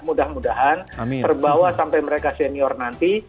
mudah mudahan terbawa sampai mereka senior nanti